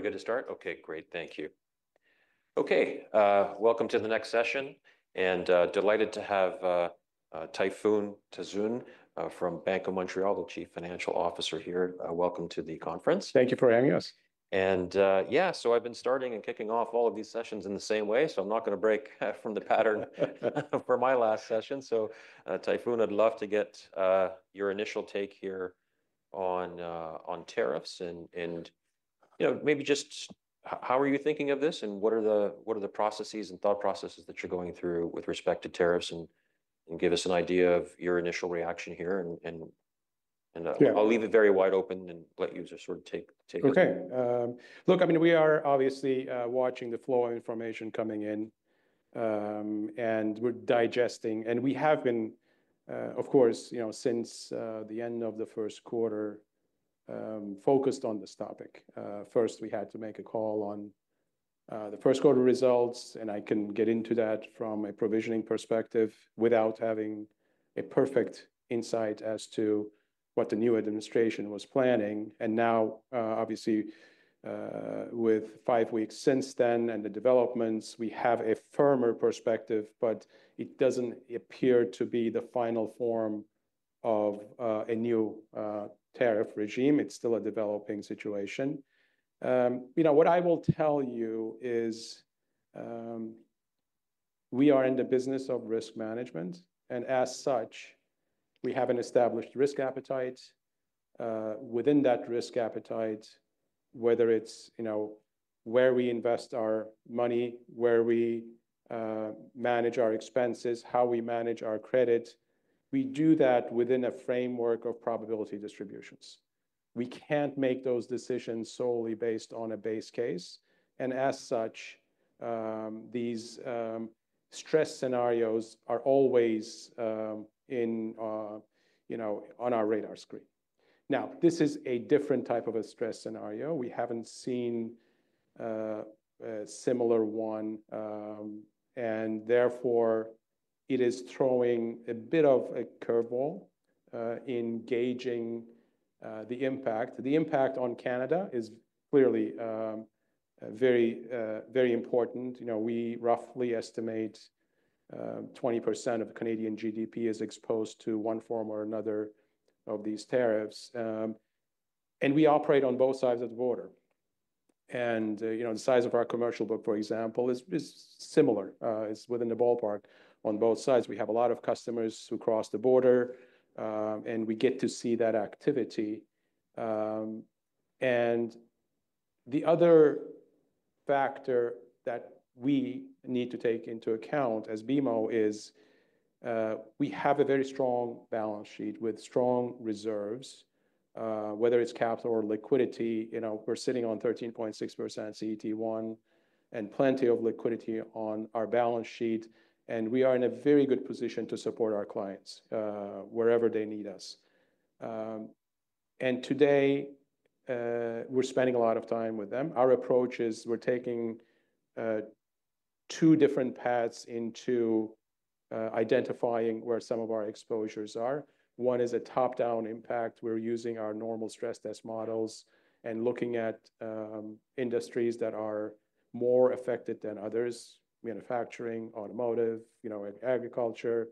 Are we good to start? Okay, great. Thank you. Okay, welcome to the next session, and delighted to have Tayfun Tuzun from Bank of Montreal, the Chief Financial Officer here. Welcome to the conference. Thank you for having us. Yeah, so I've been starting and kicking off all of these sessions in the same way, so I'm not going to break from the pattern for my last session. So Tayfun, I'd love to get your initial take here on tariffs and, you know, maybe just how are you thinking of this and what are the processes and thought processes that you're going through with respect to tariffs and give us an idea of your initial reaction here. I'll leave it very wide open and let you sort of take it. Okay. Look, I mean, we are obviously watching the flow of information coming in, and we're digesting, and we have been, of course, you know, since the end of the first quarter, focused on this topic. First, we had to make a call on the first quarter results, and I can get into that from a provisioning perspective without having a perfect insight as to what the new administration was planning and now, obviously, with five weeks since then and the developments, we have a firmer perspective, but it doesn't appear to be the final form of a new tariff regime. It's still a developing situation. You know, what I will tell you is we are in the business of risk management, and as such, we have an established risk appetite. Within that risk appetite, whether it's, you know, where we invest our money, where we manage our expenses, how we manage our credit, we do that within a framework of probability distributions. We can't make those decisions solely based on a base case, and as such, these stress scenarios are always in, you know, on our radar screen. Now, this is a different type of a stress scenario. We haven't seen a similar one, and therefore it is throwing a bit of a curveball in gauging the impact. The impact on Canada is clearly very, very important. You know, we roughly estimate 20% of the Canadian GDP is exposed to one form or another of these tariffs, and we operate on both sides of the border. You know, the size of our commercial book, for example, is similar. It's within the ballpark on both sides. We have a lot of customers who cross the border, and we get to see that activity. And the other factor that we need to take into account as BMO is we have a very strong balance sheet with strong reserves, whether it's capital or liquidity. You know, we're sitting on 13.6% CET1 and plenty of liquidity on our balance sheet, and we are in a very good position to support our clients wherever they need us and today, we're spending a lot of time with them. Our approach is we're taking two different paths into identifying where some of our exposures are. One is a top-down impact. We're using our normal stress test models and looking at industries that are more affected than others: manufacturing, automotive, you know, agriculture,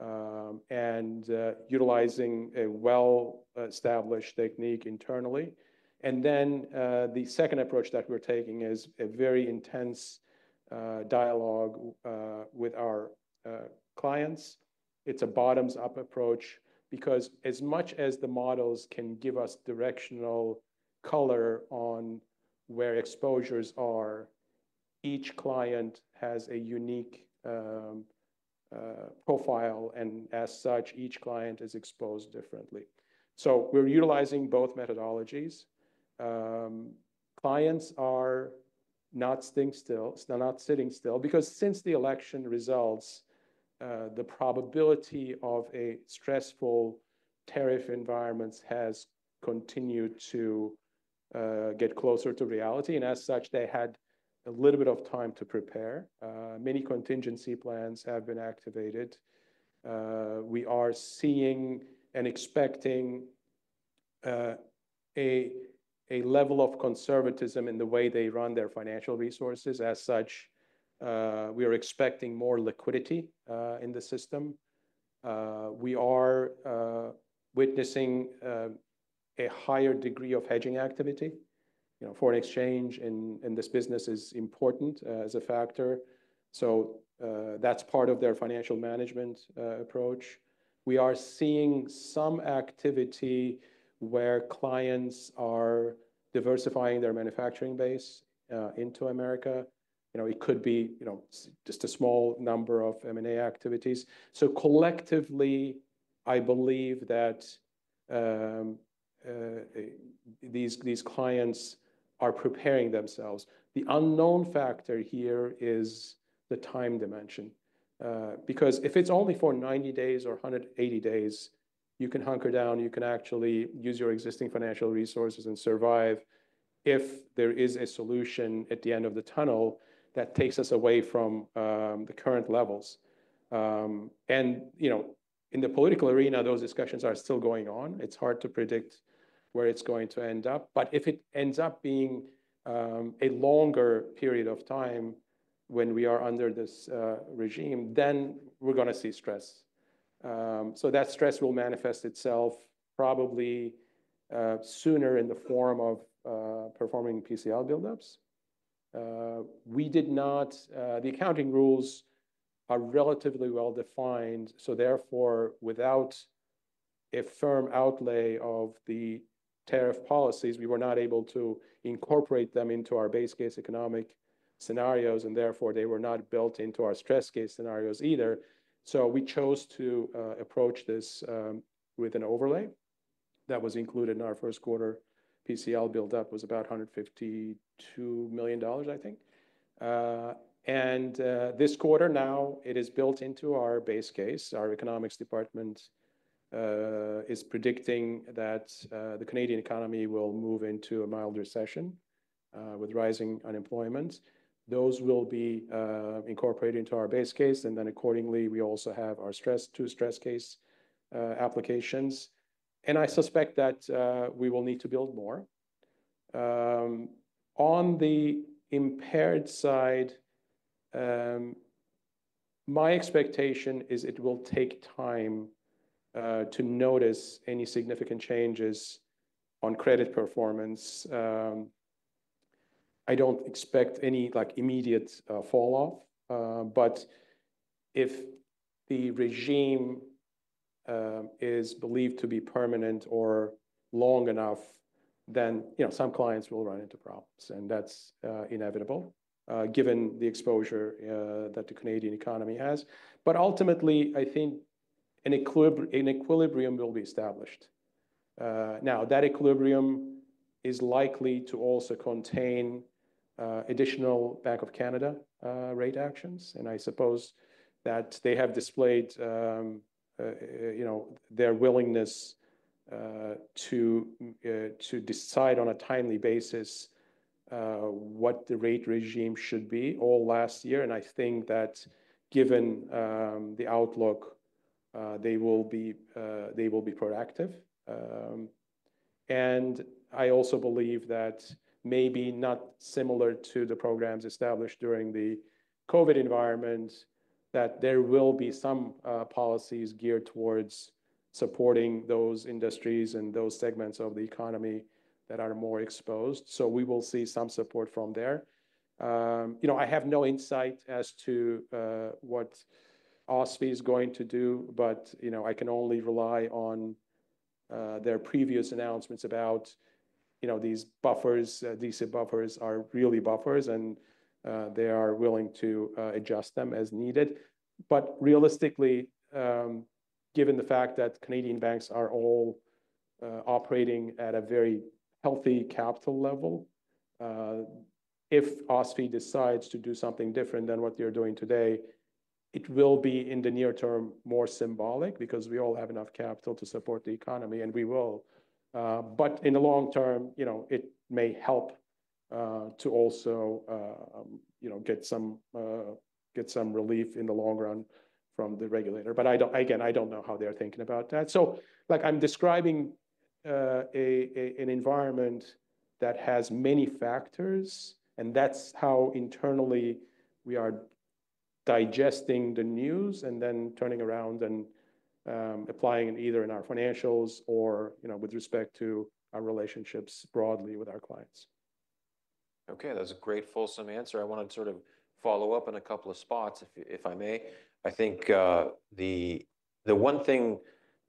and utilizing a well-established technique internally. Then the second approach that we're taking is a very intense dialogue with our clients. It's a bottom-up approach because as much as the models can give us directional color on where exposures are, each client has a unique profile, and as such, each client is exposed differently. So we're utilizing both methodologies. Clients are not staying still, not sitting still, because since the election results, the probability of a stressful tariff environment has continued to get closer to reality, and as such, they had a little bit of time to prepare. Many contingency plans have been activated. We are seeing and expecting a level of conservatism in the way they run their financial resources. As such, we are expecting more liquidity in the system. We are witnessing a higher degree of hedging activity. You know, foreign exchange in this business is important as a factor, so that's part of their financial management approach. We are seeing some activity where clients are diversifying their manufacturing base into America. You know, it could be, you know, just a small number of M&A activities. So collectively, I believe that these clients are preparing themselves. The unknown factor here is the time dimension, because if it's only for 90 days or 180 days, you can hunker down, you can actually use your existing financial resources and survive if there is a solution at the end of the tunnel that takes us away from the current levels, and you know, in the political arena, those discussions are still going on. It's hard to predict where it's going to end up, but if it ends up being a longer period of time when we are under this regime, then we're going to see stress. So that stress will manifest itself probably sooner in the form of performing PCL buildups. We did not; the accounting rules are relatively well defined, so therefore, without a firm outlay of the tariff policies, we were not able to incorporate them into our base case economic scenarios, and therefore they were not built into our stress case scenarios either. So we chose to approach this with an overlay that was included in our first quarter. PCL buildup was about 152 million dollars, I think, and this quarter now, it is built into our base case. Our economics department is predicting that the Canadian economy will move into a mild recession with rising unemployment. Those will be incorporated into our base case, and then accordingly, we also have our two stress case applications, and I suspect that we will need to build more. On the impaired side, my expectation is it will take time to notice any significant changes on credit performance. I don't expect any, like, immediate falloff, but if the regime is believed to be permanent or long enough, then, you know, some clients will run into problems, and that's inevitable given the exposure that the Canadian economy has. But ultimately, I think an equilibrium will be established. Now, that equilibrium is likely to also contain additional Bank of Canada rate actions, and I suppose that they have displayed, you know, their willingness to decide on a timely basis what the rate regime should be all last year, and I think that given the outlook, they will be proactive. I also believe that maybe not similar to the programs established during the COVID environment, that there will be some policies geared towards supporting those industries and those segments of the economy that are more exposed. So we will see some support from there. You know, I have no insight as to what OSFI is going to do, but, you know, I can only rely on their previous announcements about, you know, these buffers, decent buffers are really buffers, and they are willing to adjust them as needed. But realistically, given the fact that Canadian banks are all operating at a very healthy capital level, if OSFI decides to do something different than what they're doing today, it will be in the near term more symbolic because we all have enough capital to support the economy, and we will. But in the long term, you know, it may help to also, you know, get some relief in the long run from the regulator. But I don't, again, I don't know how they're thinking about that. So, like, I'm describing an environment that has many factors, and that's how internally we are digesting the news and then turning around and applying it either in our financials or, you know, with respect to our relationships broadly with our clients. Okay, that was a great fulsome answer. I want to sort of follow up in a couple of spots, if I may. I think the one thing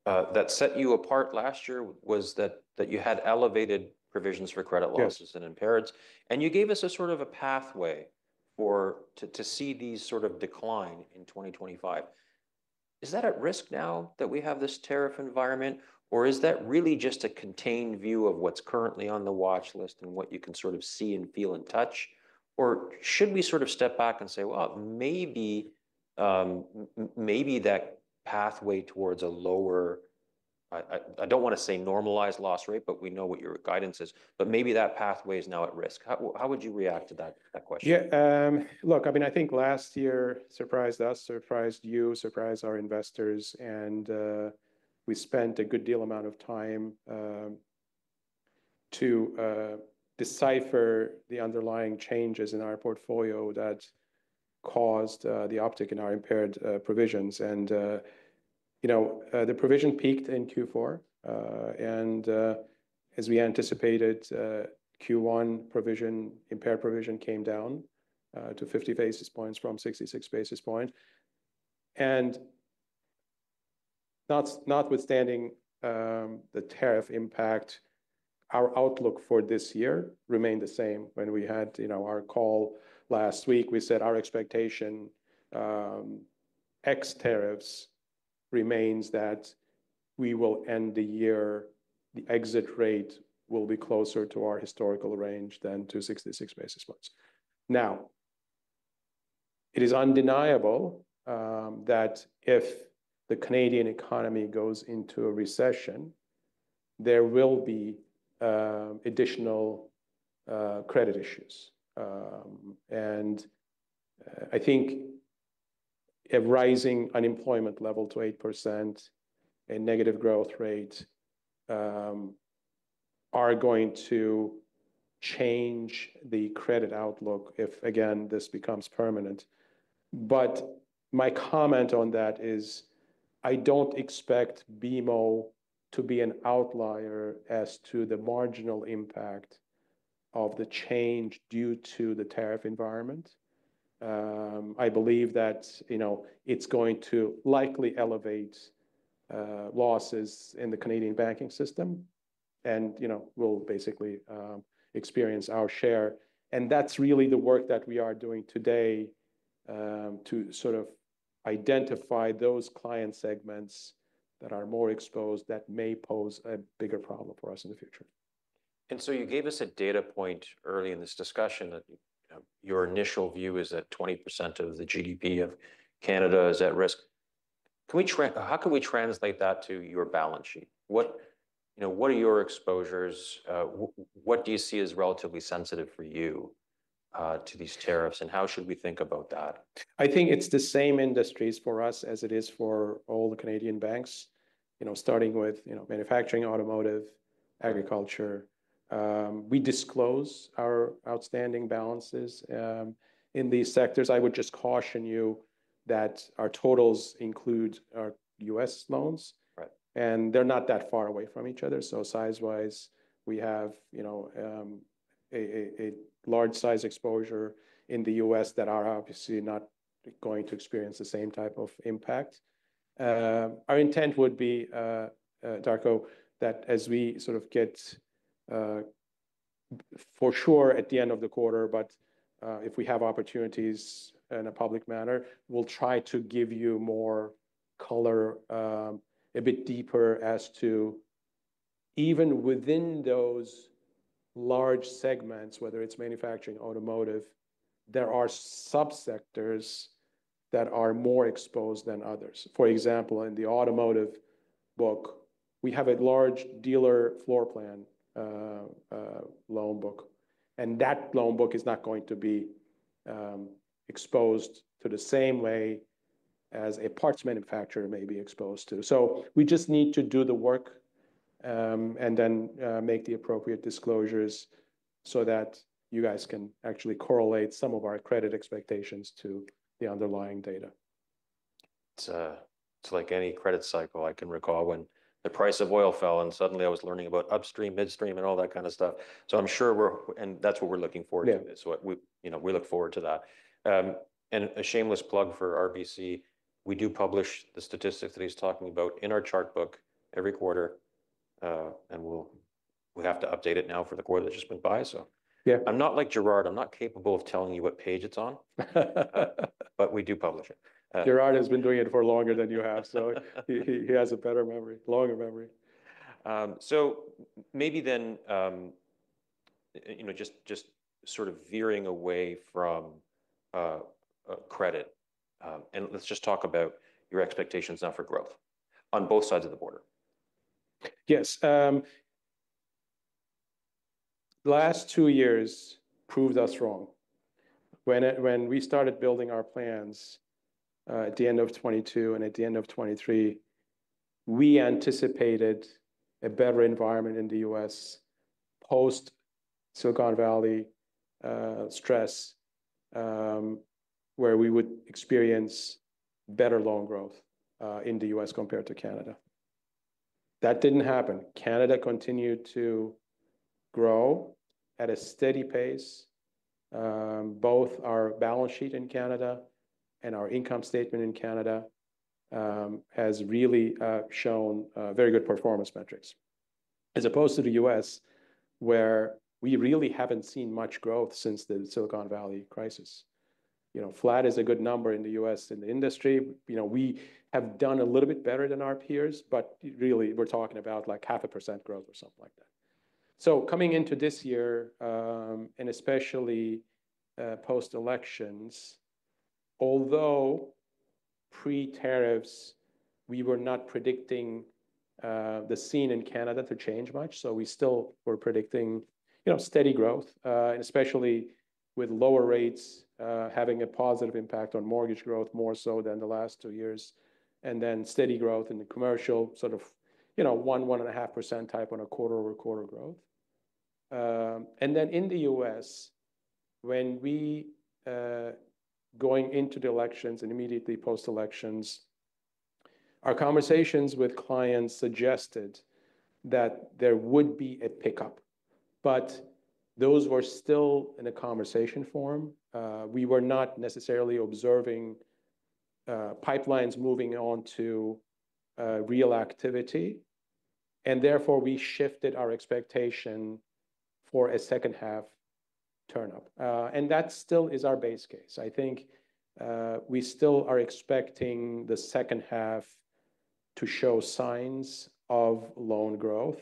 that set you apart last year was that you had elevated provisions for credit losses and impairments, and you gave us a sort of a pathway to see these sort of decline in 2025. Is that at risk now that we have this tariff environment, or is that really just a contained view of what's currently on the watch list and what you can sort of see and feel and touch? Or should we sort of step back and say, well, maybe that pathway towards a lower, I don't want to say normalized loss rate, but we know what your guidance is, but maybe that pathway is now at risk? How would you react to that question? Yeah, look, I mean, I think last year surprised us, surprised you, surprised our investors, and we spent a good deal of time to decipher the underlying changes in our portfolio that caused the uptick in our impaired provisions. You know, the provision peaked in Q4, and as we anticipated, Q1 provision, impaired provision came down to 50 basis points from 66 basis points. Notwithstanding the tariff impact, our outlook for this year remained the same. When we had, you know, our call last week, we said our expectation ex tariffs remains that we will end the year, the exit rate will be closer to our historical range than to 66 basis points. Now, it is undeniable that if the Canadian economy goes into a recession, there will be additional credit issues, and I think a rising unemployment level to 8%, a negative growth rate are going to change the credit outlook if, again, this becomes permanent. But my comment on that is I don't expect BMO to be an outlier as to the marginal impact of the change due to the tariff environment. I believe that, you know, it's going to likely elevate losses in the Canadian banking system and, you know, will basically experience our share. That's really the work that we are doing today to sort of identify those client segments that are more exposed that may pose a bigger problem for us in the future. You gave us a data point early in this discussion that your initial view is that 20% of the GDP of Canada is at risk. Can we, how can we translate that to your balance sheet? What, you know, what are your exposures? What do you see as relatively sensitive for you to these tariffs, and how should we think about that? I think it's the same industries for us as it is for all the Canadian banks, you know, starting with, you know, manufacturing, automotive, agriculture. We disclose our outstanding balances in these sectors. I would just caution you that our totals include our U.S. loans, and they're not that far away from each other. So size-wise, we have, you know, a large size exposure in the U.S. that are obviously not going to experience the same type of impact. Our intent would be, Darko, that as we sort of get for sure at the end of the quarter, but if we have opportunities in a public manner, we'll try to give you more color, a bit deeper as to even within those large segments, whether it's manufacturing, automotive, there are subsectors that are more exposed than others. For example, in the automotive book, we have a large dealer floor plan loan book, and that loan book is not going to be exposed to the same way as a parts manufacturer may be exposed to. So we just need to do the work and then make the appropriate disclosures so that you guys can actually correlate some of our credit expectations to the underlying data. It's like any credit cycle. I can recall when the price of oil fell and suddenly I was learning about upstream, midstream, and all that kind of stuff, so I'm sure we're, and that's what we're looking forward to, so we, you know, we look forward to that, and a shameless plug for RBC, we do publish the statistics that he's talking about in our chartbook every quarter, and we'll, we have to update it now for the quarter that just went by, so yeah, I'm not like Gerard, I'm not capable of telling you what page it's on, but we do publish it. Gerard has been doing it for longer than you have, so he has a better memory, longer memory. So maybe then, you know, just sort of veering away from credit, and let's just talk about your expectations now for growth on both sides of the border. Yes. Last two years proved us wrong. When we started building our plans at the end of 2022 and at the end of 2023, we anticipated a better environment in the U.S. Post-Silicon Valley crisis where we would experience better loan growth in the U.S. compared to Canada. That didn't happen. Canada continued to grow at a steady pace. Both our balance sheet in Canada and our income statement in Canada has really shown very good performance metrics as opposed to the U.S. where we really haven't seen much growth since the Silicon Valley Bank crisis. You know, flat is a good number in the U.S. in the industry. You know, we have done a little bit better than our peers, but really we're talking about like 0.5% growth or something like that. So coming into this year, and especially post-elections, although pre-tariffs, we were not predicting the scene in Canada to change much. So we still were predicting, you know, steady growth, and especially with lower rates having a positive impact on mortgage growth more so than the last two years, and then steady growth in the commercial sort of, you know, one and a half % type on a quarter-over-quarter growth and then in the U.S., when we going into the elections and immediately post-elections, our conversations with clients suggested that there would be a pickup, but those were still in a conversation form. We were not necessarily observing pipelines moving on to real activity, and therefore we shifted our expectation for a second half turnup and that still is our base case. I think we still are expecting the second half to show signs of loan growth,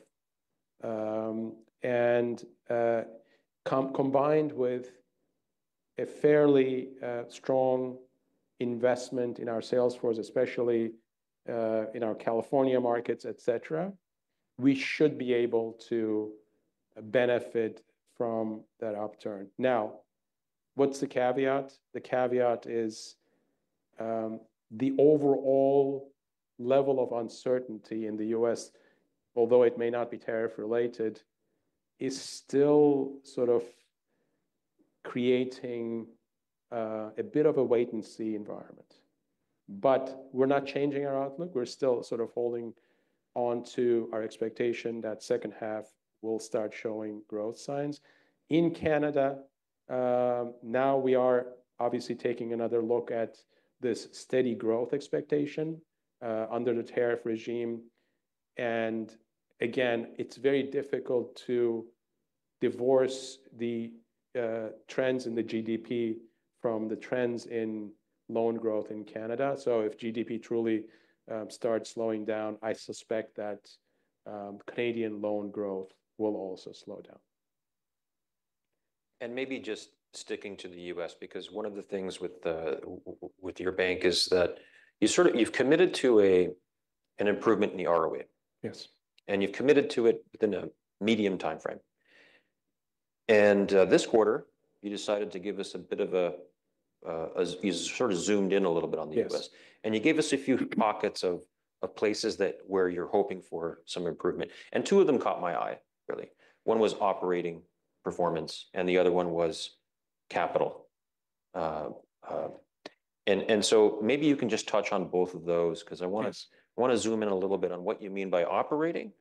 and combined with a fairly strong investment in our sales force, especially in our California markets, et cetera, we should be able to benefit from that upturn. Now, what's the caveat? The caveat is the overall level of uncertainty in the U.S., although it may not be tariff related, is still sort of creating a bit of a wait and see environment. But we're not changing our outlook. We're still sort of holding onto our expectation that second half will start showing growth signs. In Canada, now we are obviously taking another look at this steady growth expectation under the tariff regime, and again, it's very difficult to divorce the trends in the GDP from the trends in loan growth in Canada. If GDP truly starts slowing down, I suspect that Canadian loan growth will also slow down. Maybe just sticking to the U.S., because one of the things with your bank is that you sort of, you've committed to an improvement in the ROE. Yes. You've committed to it within a medium timeframe. This quarter, you decided to give us a bit of a. You sort of zoomed in a little bit on the U.S., and you gave us a few pockets of places where you're hoping for some improvement. Two of them caught my eye, really. One was operating performance, and the other one was capital. So maybe you can just touch on both of those because I want to zoom in a little bit on what you mean by operating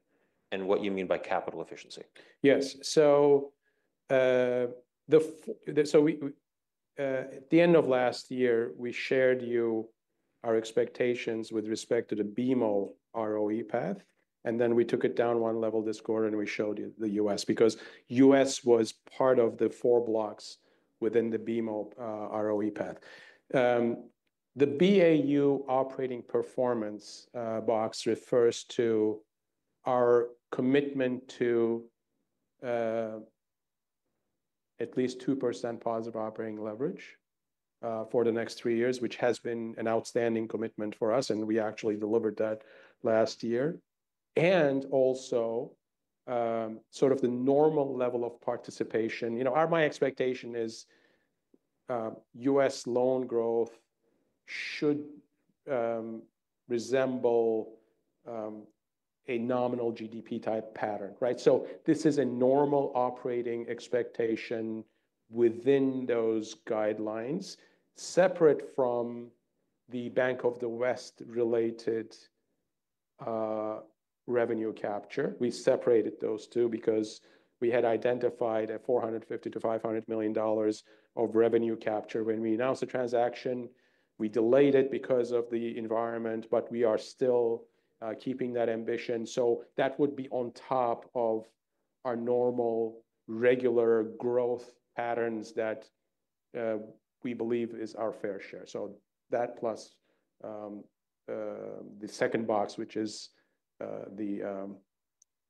and what you mean by capital efficiency. Yes. So at the end of last year, we shared you our expectations with respect to the BMO ROE path, and then we took it down one level this quarter and we showed you the U.S. because U.S. was part of the four blocks within the BMO ROE path. The BAU operating performance box refers to our commitment to at least 2%+ operating leverage for the next three years, which has been an outstanding commitment for us, and we actually delivered that last year, and also sort of the normal level of participation, you know. My expectation is U.S. loan growth should resemble a nominal GDP type pattern, right? So this is a normal operating expectation within those guidelines, separate from the Bank of the West related revenue capture. We separated those two because we had identified a $450 million to $500 million of revenue capture when we announced the transaction. We delayed it because of the environment, but we are still keeping that ambition. So that would be on top of our normal regular growth patterns that we believe is our fair share. So that plus the second box, which is the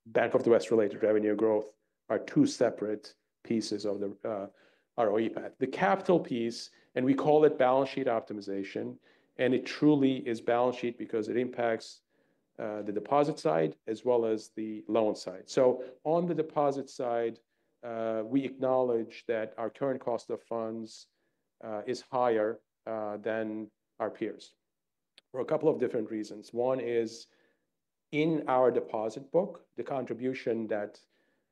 Bank of the West related revenue growth, are two separate pieces of the ROE path. The capital piece, and we call it balance sheet optimization, and it truly is balance sheet because it impacts the deposit side as well as the loan side. So on the deposit side, we acknowledge that our current cost of funds is higher than our peers for a couple of different reasons. One is in our deposit book, the contribution that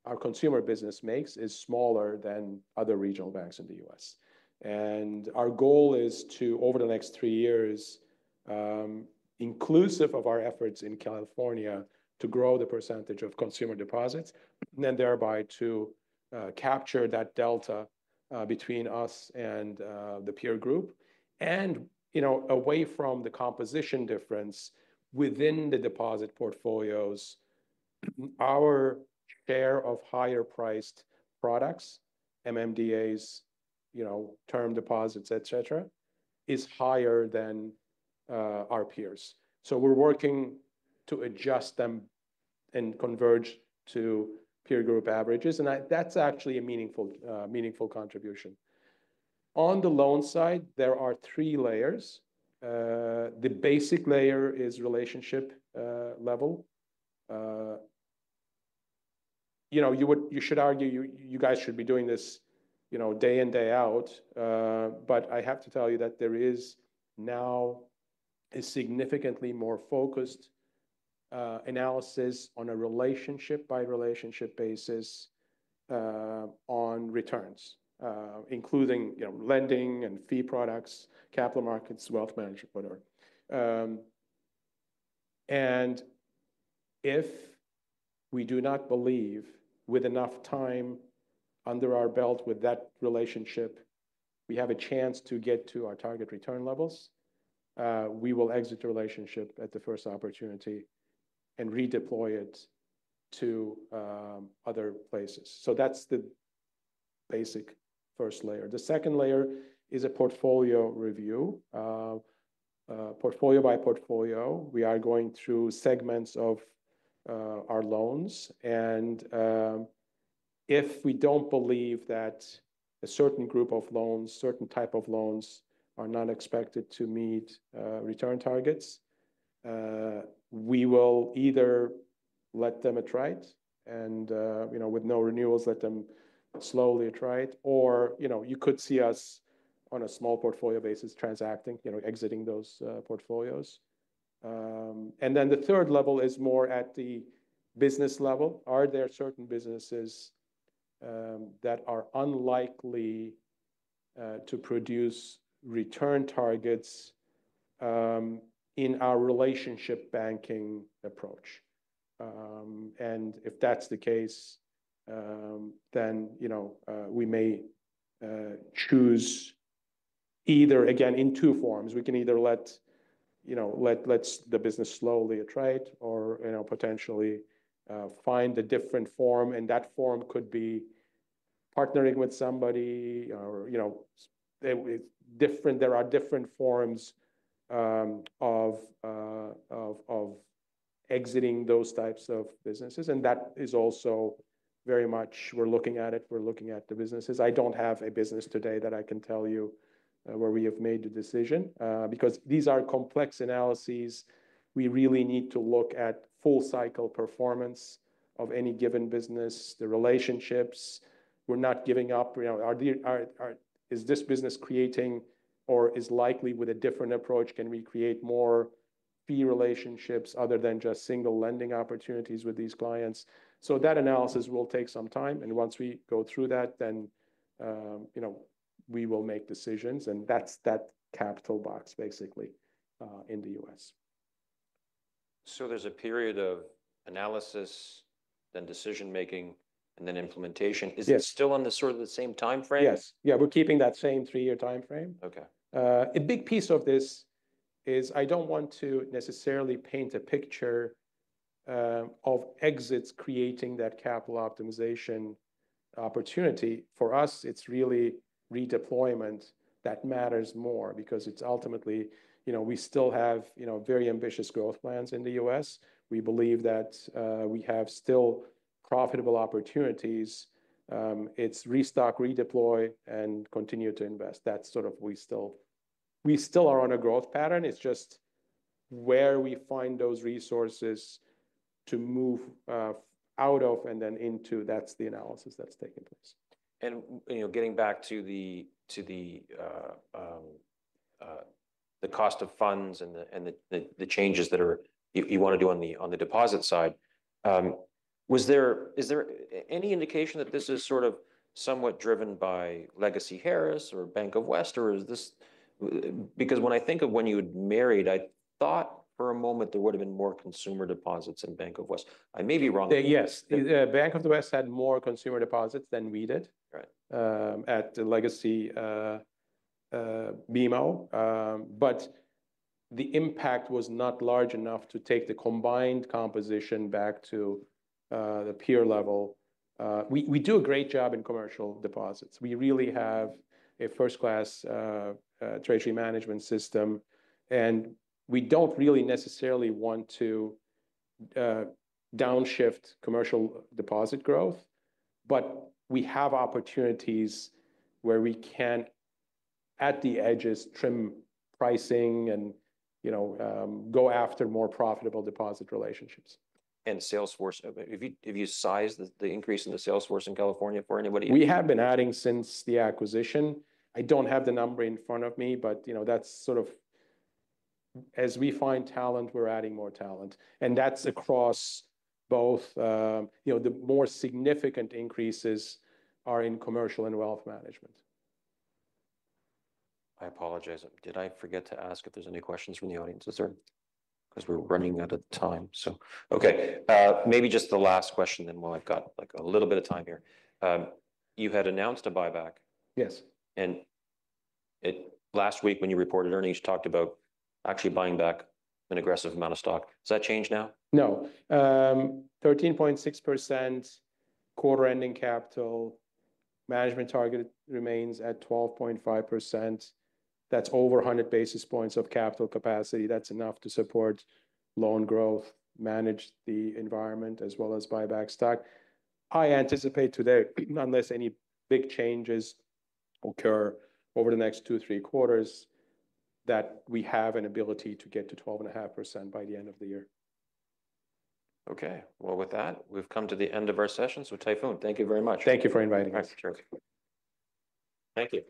our consumer business makes is smaller than other regional banks in the U.S. And our goal is to, over the next three years, inclusive of our efforts in California, to grow the percentage of consumer deposits and then thereby to capture that delta between us and the peer group. And, you know, away from the composition difference within the deposit portfolios, our share of higher priced products, MMDAs, you know, term deposits, et cetera, is higher than our peers. So we're working to adjust them and converge to peer group averages, and that's actually a meaningful contribution. On the loan side, there are three layers. The basic layer is relationship level. You know, you should argue you guys should be doing this, you know, day in, day out, but I have to tell you that there is now a significantly more focused analysis on a relationship by relationship basis on returns, including, you know, lending and fee products, capital markets, wealth management, whatever, and if we do not believe with enough time under our belt with that relationship, we have a chance to get to our target return levels, we will exit the relationship at the first opportunity and redeploy it to other places, so that's the basic first layer. The second layer is a portfolio review. Portfolio by portfolio, we are going through segments of our loans, and if we don't believe that a certain group of loans, certain type of loans are not expected to meet return targets, we will either let them run off and, you know, with no renewals, let them slowly run off, or, you know, you could see us on a small portfolio basis transacting, you know, exiting those portfolios. And then the third level is more at the business level. Are there certain businesses that are unlikely to produce return targets in our relationship banking approach? And if that's the case, then, you know, we may choose either, again, in two forms. We can either let, you know, let the business slowly run off or, you know, potentially find a different form, and that form could be partnering with somebody or, you know, it's different. There are different forms of exiting those types of businesses, and that is also very much we're looking at it. We're looking at the businesses. I don't have a business today that I can tell you where we have made the decision because these are complex analyses. We really need to look at full cycle performance of any given business, the relationships. We're not giving up, you know, is this business creating or is likely with a different approach? Can we create more fee relationships other than just single lending opportunities with these clients? So that analysis will take some time, and once we go through that, then, you know, we will make decisions, and that's that capital box basically in the U.S. So there's a period of analysis, then decision making, and then implementation. Is it still on the sort of the same timeframe? Yes. Yeah, we're keeping that same three-year timeframe. Okay. A big piece of this is I don't want to necessarily paint a picture of exits creating that capital optimization opportunity. For us, it's really redeployment that matters more because it's ultimately, you know, we still have, you know, very ambitious growth plans in the U.S. We believe that we have still profitable opportunities. It's restock, redeploy, and continue to invest. That's sort of we still, we still are on a growth pattern. It's just where we find those resources to move out of and then into, that's the analysis that's taking place. You know, getting back to the cost of funds and the changes that you want to do on the deposit side, was there, is there any indication that this is sort of somewhat driven by legacy Harris or Bank of the West, or is this because when I think of when you had married, I thought for a moment there would have been more consumer deposits in Bank of the West. I may be wrong. Yes, Bank of the West had more consumer deposits than we did at the legacy BMO, but the impact was not large enough to take the combined composition back to the peer level. We do a great job in commercial deposits. We really have a first-class treasury management system, and we don't really necessarily want to downshift commercial deposit growth, but we have opportunities where we can at the edges trim pricing and, you know, go after more profitable deposit relationships. Sales force, if you size the increase in the sales force in California for anybody. We have been adding since the acquisition. I don't have the number in front of me, but, you know, that's sort of as we find talent, we're adding more talent and that's across both, you know, the more significant increases are in commercial and wealth management. I apologize. Did I forget to ask if there's any questions from the audience? Yes, sir. Because we're running out of time. So, okay. Maybe just the last question then while I've got like a little bit of time here. You had announced a buyback. Yes. Last week when you reported earnings, you talked about actually buying back an aggressive amount of stock. Does that change now? Now, 13.6% quarter-ending capital management target remains at 12.5%. That's over 100 basis points of capital capacity. That's enough to support loan growth, manage the environment as well as buyback stock. I anticipate today, unless any big changes occur over the next two, three quarters, that we have an ability to get to 12.5% by the end of the year. With that, we've come to the end of our session. So, Tayfun, thank you very much. Thank you for inviting us. Thank you.